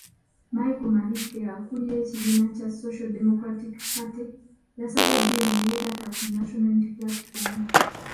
Michael Mabikke akulira ekibiina kya Social Democratic Party yasaze eddiiro ne yeegatta ku National Unity Platform.